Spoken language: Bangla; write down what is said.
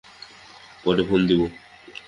পরে ফোন দিব।